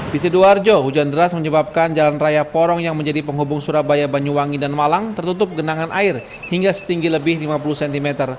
di sidoarjo hujan deras menyebabkan jalan raya porong yang menjadi penghubung surabaya banyuwangi dan malang tertutup genangan air hingga setinggi lebih lima puluh cm